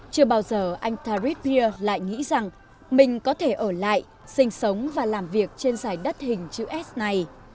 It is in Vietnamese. chưa bao giờ anh tarit peer lại nghĩ rằng mình có thể ở lại sinh sống và làm việc trên dải đất hình chữ s này